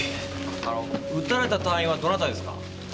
あの撃たれた隊員はどなたですか？